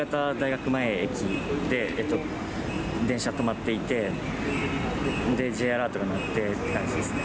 新潟大学前に着いて電車止まっていて、Ｊアラートが鳴ってって感じですね。